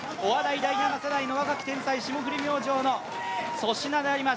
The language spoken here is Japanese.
第７世代の若き天才・霜降り明星の粗品であります。